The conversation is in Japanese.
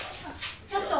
ちょっと！